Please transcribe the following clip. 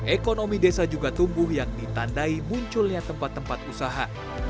ekonomi desa juga tumbuh yang ditandai munculnya tempat tempat usaha